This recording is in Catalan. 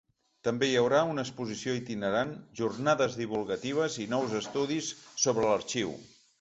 També hi haurà una exposició itinerant, jornades divulgatives i nous estudis sobre l’arxiu.